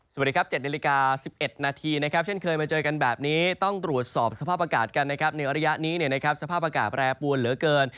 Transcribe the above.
สวัสดีครับ๗นาฬิกา๑๑นาทีนะครับเช่นเคยมาเจอกันแบบนี้ต้องตรวจสอบสภาพอากาศกันนะครับในระยะนี้สภาพอากาศแปรปวนเหลือเกิน